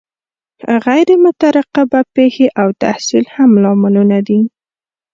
غیر مترقبه پیښې او تحصیل هم لاملونه دي.